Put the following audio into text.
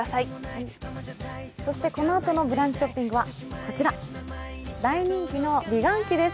このあとのブランチショッピングはこちら、大人気の美顔器です。